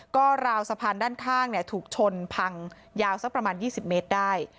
ก็ราวสะพานด้านข้างถูกชนพังยาวสักประมาณ๒๐เมตรได้